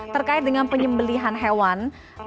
terkait dengan penyembelihan hewan